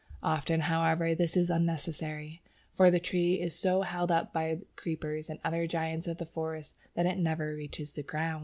Often, however, this is unsuccessful, for the tree is so held up by creepers and other giants of the forest that it never reaches the ground!